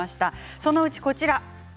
そのうち、こちら。